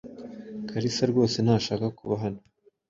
Kalisa rwose ntashaka kuba hano.